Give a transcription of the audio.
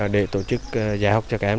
để tổ chức giải học cho các em